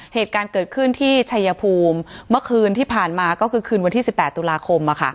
เหตุการณ์เกิดขึ้นที่ชัยภูมิเมื่อคืนที่ผ่านมาก็คือคืนวันที่๑๘ตุลาคม